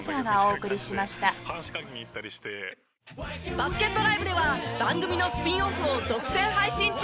バスケットＬＩＶＥでは番組のスピンオフを独占配信中。